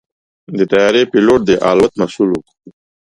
د طیارې پيلوټ د الوت مسؤل وي.